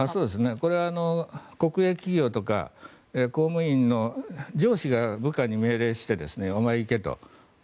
これは国営企業とか公務員の上司が部下に命令してお前行けと。